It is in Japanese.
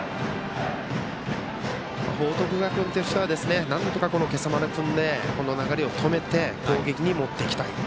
報徳学園としてはなんとか、この今朝丸君でこの流れを止めて攻撃に持っていきたい。